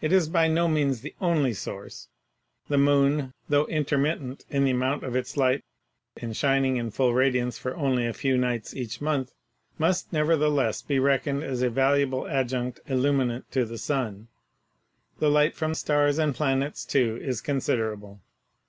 It is by no means the only source. The moon, tho intermittent in the amount of its light and shining in full radiance for only a few nights each month, must nevertheless be reckoned as a valuable adjunct illu minant to the sun. The light from stars and planets, too, is considerable.